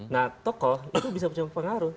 nah tokoh itu bisa menjadi pengaruh